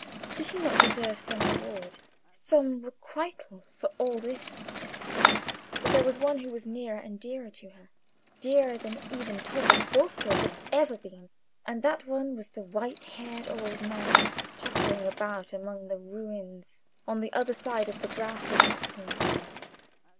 Did he not deserve some reward, some requital, for all this? But there was one who was nearer and dearer to her, dearer than even Talbot Bulstrode had ever been, and that one was the white haired old man pottering about among the ruins on the other side of the grassy platform.